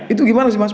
itu gimana sih mas